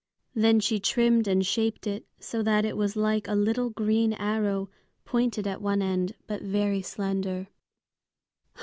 Then she trimmed and shaped it so that it was like a little green arrow, pointed at one end, but very slender.